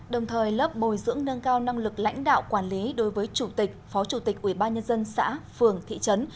đồng thời lớp bồi dưỡng nâng cao năng lực lãnh đạo quản lý đối với chủ tịch phó chủ tịch ubnd xã phường thị trấn